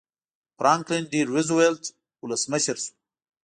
فرانکلن ډي روزولټ ولسمشر شو.